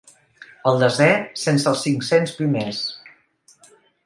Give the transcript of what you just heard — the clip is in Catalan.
El desè sense els cinc-cents primers.